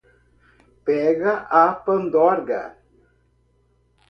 Pega a pandorga